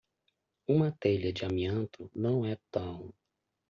Uma telha de amianto não é tão